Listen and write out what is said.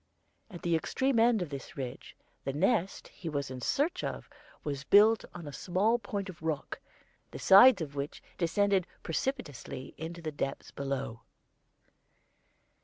At the extreme end of this ridge the nest he was in search of was built on a small point of rock, the sides of which descended precipitously into the depths below.